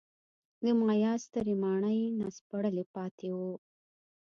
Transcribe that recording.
د مایا سترې ماڼۍ ناسپړلي پاتې وو.